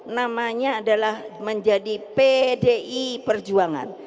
namanya adalah menjadi pdi perjuangan